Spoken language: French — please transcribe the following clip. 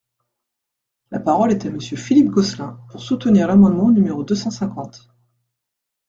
La parole est à Monsieur Philippe Gosselin, pour soutenir l’amendement numéro deux cent cinquante.